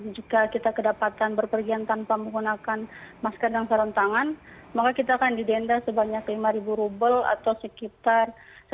jika kita kedapatan berpergian tanpa menggunakan masker dan saran tangan maka kita akan didenda sebanyak lima rubel atau sekitar